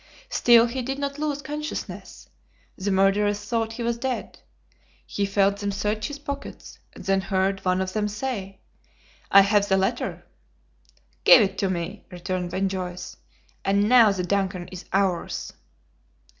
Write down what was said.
Still he did not lose consciousness. The murderers thought he was dead. He felt them search his pockets, and then heard one of them say: "I have the letter." "Give it to me," returned Ben Joyce, "and now the DUNCAN is ours."